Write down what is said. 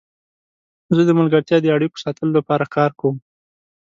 زه د ملګرتیا د اړیکو ساتلو لپاره کار کوم.